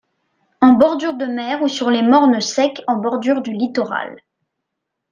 En bordure de mer ou sur les mornes sec en bordure du littoral.